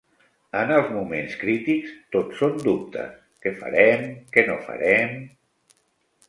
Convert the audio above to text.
En els moments crítics, tot són dubtes: què farem, què no farem...